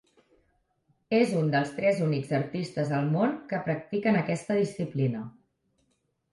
És un dels tres únics artistes al món que practiquen aquesta disciplina.